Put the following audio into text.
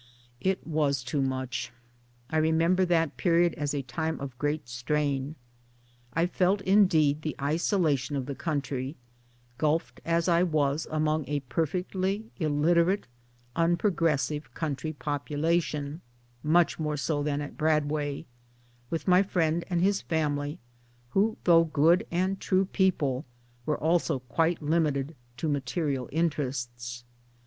It was too much. I remember that period as a time of great strain. I felt indeed the isolation of the country gulfed as I was among a perfectly illiterate unprogressive country population (much more so than at Bradway), with my friend and his family, who though good and true people were also quite limited to material interests.